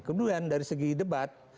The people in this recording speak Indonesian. kemudian dari segi debat